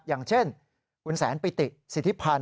อย่างเช่นคุณแสนปิติศิษภัณฑ์